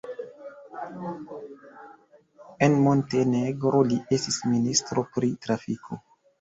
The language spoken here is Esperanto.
En Montenegro li estis ministro pri trafiko.